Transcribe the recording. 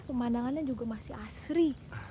pemandangannya juga masih asri